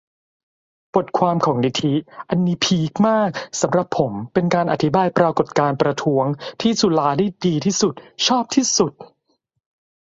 บทความของนิธิ อันนี้พีคมาก สำหรับผม เป็นการอธิบายปรากฎการณ์ประท้วงที่จุฬา ได้ดีที่สุด ชอบที่สุด